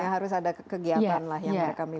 ya harus ada kegiatan lah yang mereka memiliki